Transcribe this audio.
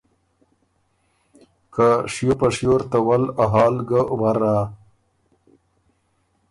که شیو په شیو ر ته ول ا حال ګۀ ورا،